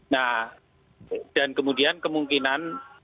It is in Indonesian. nah dan kemudian kemungkinan